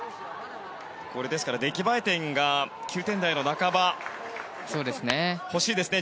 出来栄え点が９点台の半ば欲しいですね。